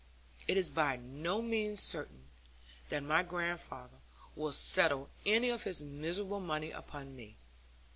It is by no means certain that my grandfather will settle any of his miserable money upon me.